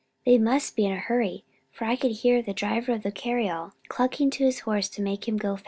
They must be in a hurry, for I could hear the driver of the cariole clucking to his horse to make him go faster."